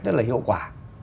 rất là hiệu quả